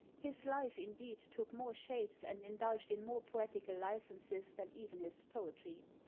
His life, indeed, took more shapes, and indulged in more poetical licences, than even his poetry.